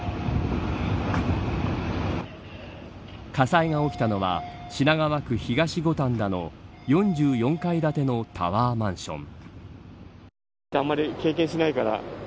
火災が起きたのは品川区東五反田の４４階建てのタワーマンション。